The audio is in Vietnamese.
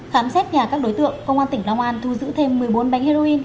khám xét nhà các đối tượng công an tỉnh long an thu giữ thêm một mươi bốn bánh heroin